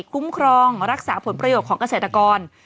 คุ้มครองรักษาผลประโยชน์ของเกษตรกร